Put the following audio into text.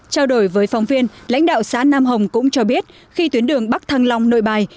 trao đổi với phóng viên lãnh đạo xã nam hồng cũng cho biết khi tuyến đường bắc thăng long nội bài